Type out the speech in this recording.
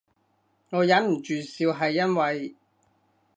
我忍唔住笑係因為